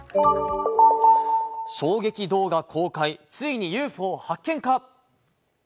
衝撃動画公開、ついにＵＦＯ発見か？